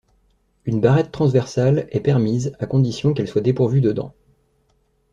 Une barrette transversale est permise à condition qu’elle soit dépourvue de dents.